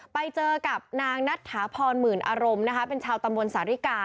ไปเจอกับนางนัทฐพรหมื่นอารมณ์เป็นชาวตำรวจสาธิกา